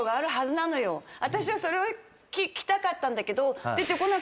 私はそれを聞きたかったんだけど。